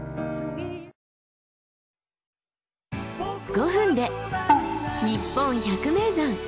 ５分で「にっぽん百名山」。